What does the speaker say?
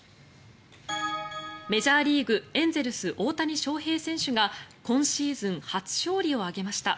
メジャーリーグエンゼルス、大谷翔平選手が今シーズン初勝利を挙げました。